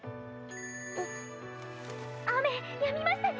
雨やみましたね！